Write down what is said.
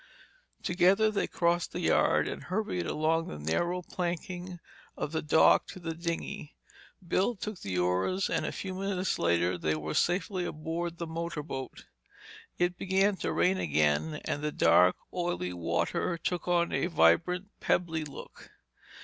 Together they crossed the yard and hurried along the narrow planking of the dock to the dinghy. Bill took the oars and a few minutes later they were safely aboard the motor boat. It began to rain again and the dark, oily water took on a vibrant, pebbly look.